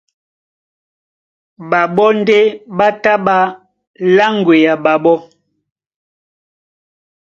Ɓaɓɔ́ ndé ɓá tá ɓá láŋgwea ɓaɓó.